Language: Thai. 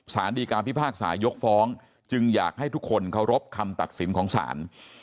สารดีการพิพากษายกฟ้องจึงอยากให้ทุกคนเคารพคำตัดสินของศาล